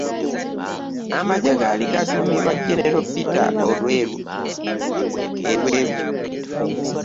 Amagye gaali gaduumirwa generaali Peter Elweru